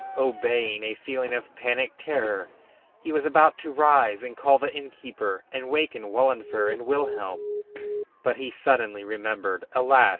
Obeying a feeling of panic terror he was about to rise and call the innkeeper and waken Wahlenfer and Wilhelm, but he suddenly remembered, alas!